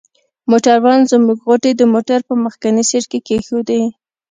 موټروان زموږ غوټې د موټر په مخکني سیټ کې کښېښودې.